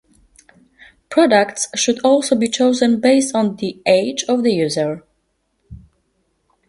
Products should also be chosen based on the age of the user.